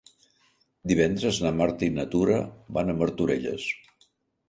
Divendres na Marta i na Tura van a Martorelles.